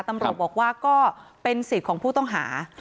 ตำรวจบอกว่าก็เป็นสิทธิ์ของผู้ต้องหา